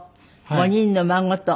５人の孫。